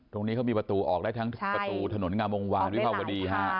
ตรงนี้เขามีประตูออกได้ทั้งประตูถนนงามวงวานวิภาวดีฮะ